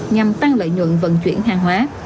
nhằm tăng lợi nhuận vận chuyển hàng hóa